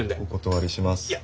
お断りします。